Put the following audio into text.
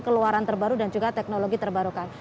keluaran terbaru dan juga teknologi terbarukan